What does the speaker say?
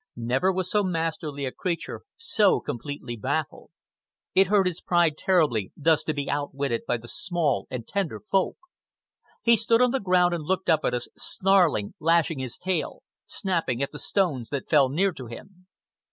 Never was so masterly a creature so completely baffled. It hurt his pride terribly, thus to be outwitted by the small and tender Folk. He stood on the ground and looked up at us, snarling, lashing his tail, snapping at the stones that fell near to him.